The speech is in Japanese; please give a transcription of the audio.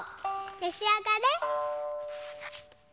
めしあがれ。